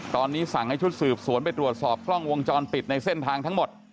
ตอนนี้สั่งให้ชุดสืบสวนไปตรวจสอบกล้องวงจรปิดในเส้นทางทั้งหมด